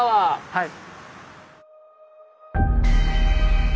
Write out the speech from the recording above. はい。